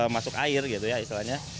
masuk air gitu ya istilahnya